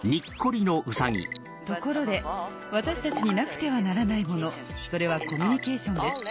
ところで私たちになくてはならないものそれはコミュニケーションです。